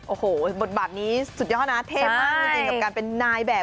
โอ้โหบทบาทนี้สุดยอดนะเท่มากจริงกับการเป็นนายแบบ